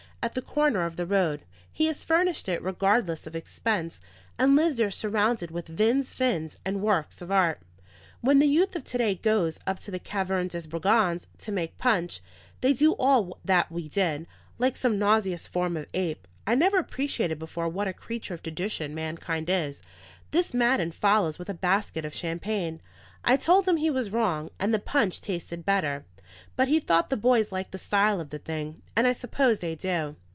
at the corner of the road; he has furnished it regardless of expense, and lives there surrounded with vins fins and works of art. When the youth of to day goes up to the Caverne des Brigands to make punch they do all that we did, like some nauseous form of ape (I never appreciated before what a creature of tradition mankind is) this Madden follows with a basket of champagne. I told him he was wrong, and the punch tasted better; but he thought the boys liked the style of the thing, and I suppose they do.